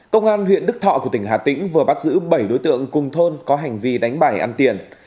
công an huyện đức thọ của tỉnh hà tĩnh vừa bắt giữ bảy đối tượng cùng thôn có hành vi đánh bài ăn tiền